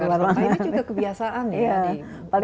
ya membakar sampah ini juga kebiasaan ya